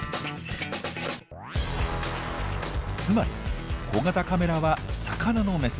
つまり小型カメラは魚の目線。